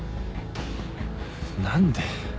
何で。